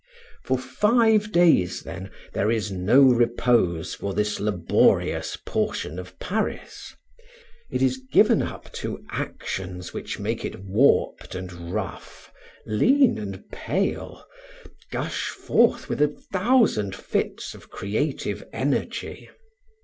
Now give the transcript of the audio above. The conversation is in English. For five days, then, there is no repose for this laborious portion of Paris! It is given up to actions which make it warped and rough, lean and pale, gush forth with a thousand fits of creative energy.